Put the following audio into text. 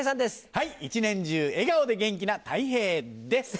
はい一年中笑顔で元気なたい平です！